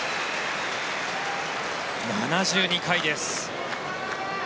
７２回です。